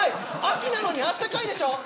秋なのにあったかいでしょ。